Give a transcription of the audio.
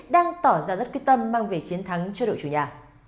đang tỏ ra rất quyết tâm mang về chiến thắng cho đội chủ nhà